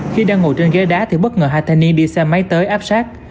khi đang ngồi trên ghế đá thì bất ngờ hai thanh niên đi xe máy tới áp sát